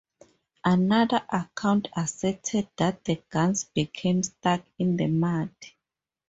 Another account asserted that the guns became stuck in the mud.